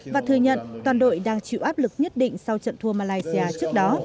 và thừa nhận toàn đội đang chịu áp lực nhất định sau trận thua malaysia trước đó